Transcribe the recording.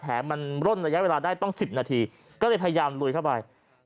แผลมันร่นระยะเวลาได้ต้อง๑๐นาทีก็เลยพยายามลุยเข้าไป